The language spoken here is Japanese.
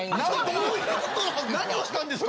何をしたんですか？